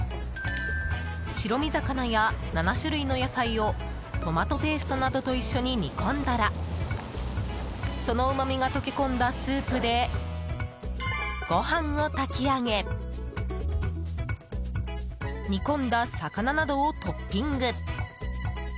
白身魚や７種類の野菜をトマトペーストなどと一緒に煮込んだらそのうまみが溶け込んだスープでご飯を炊き上げ煮込んだ魚などをトッピング。